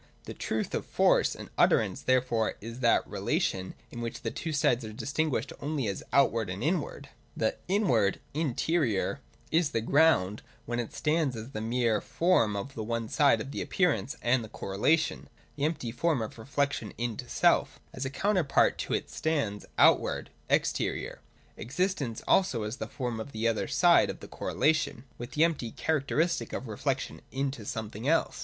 The truth of Force and utterance therefore is that relation, in which the two sides are distinguished only as Outward and Inward. 2,52 THE DOCTRINE OF ESSENCE. [13S 140. 138.] (y) The Inward (Interior) is the ground, when it stands as the mere form of the one side of the Ap pearance and the Correlation, — the empty form of re flection into self As a counterpart to it stands the Outward (Exterior), — Existence, also as the form of the other side of the correlation, with the empty char acteristic of reflection into something else.